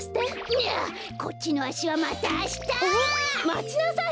いやこっちのあしはまたあした！まちなさい！